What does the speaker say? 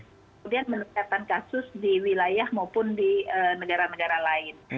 kemudian meningkatkan kasus di wilayah maupun di negara negara lain